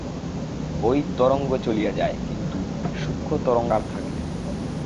ঐ তরঙ্গ চলিয়া যায়, কিন্তু সূক্ষ্ম-তরঙ্গাকার থাকে।